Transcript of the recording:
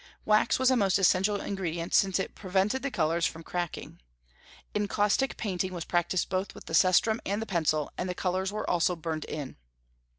Wax was a most essential ingredient, since it prevented the colors from cracking. Encaustic painting was practised both with the cestrum and the pencil, and the colors were also burned in.